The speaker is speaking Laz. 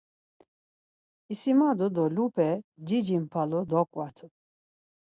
İsimadu do lupe cici mpalu doǩvatu.